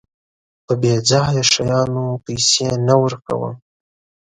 په بېځايه شيانو پيسې نه ورکوم.